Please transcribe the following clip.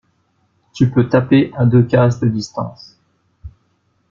Tu peux taper à deux cases de distances.